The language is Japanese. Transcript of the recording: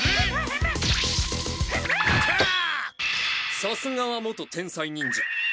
さすがは元天才忍者。